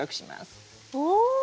お。